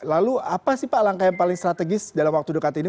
lalu apa sih pak langkah yang paling strategis dalam waktu dekat ini